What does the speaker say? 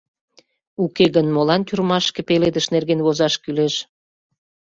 — Уке гын молан тюрьмашке пеледыш нерген возаш кӱлеш».